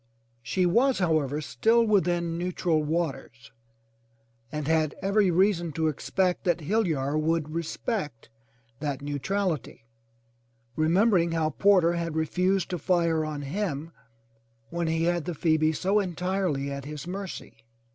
She was, however, still within neutral waters and had every reason to expect that Hill yar would respect that neutrality, remembering how Porter had refused to fire on him when he had the Phoebe so entirely at his mercy.